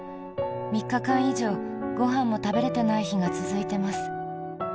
３日間以上ご飯も食べれてない日が続いてます。